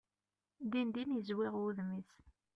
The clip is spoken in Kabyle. Din din yezwiɣ wudem-is.